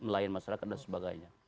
melayan masyarakat dan sebagainya